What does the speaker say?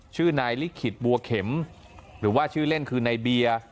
ชื่อนายลิขิตบัวเข็มหรือว่าชื่อเล่นคือนายเบียร์